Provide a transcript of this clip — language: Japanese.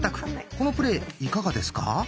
このプレーいかがですか？